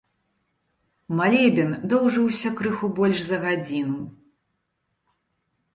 Малебен доўжыўся крыху больш за гадзіну.